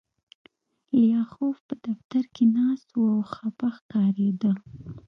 لیاخوف په دفتر کې ناست و او خپه ښکارېده